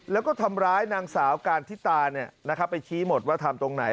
แล้วก็ทำร้ายนางสาวการทิตาไปชี้หมดว่าทำตรงไหน